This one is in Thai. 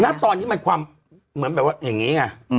หน้าตอนนี้มันความเหมือนแบบว่าอย่างงี้อ่ะอืม